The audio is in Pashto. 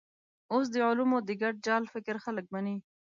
اوس د علومو د ګډ جال فکر خلک مني.